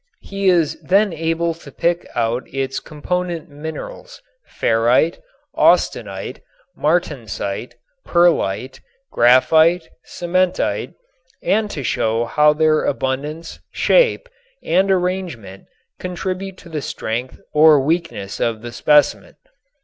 He is then able to pick out its component minerals, ferrite, austenite, martensite, pearlite, graphite, cementite, and to show how their abundance, shape and arrangement contribute to the strength or weakness of the specimen.